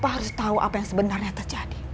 papa harus tau apa yang sebenarnya terjadi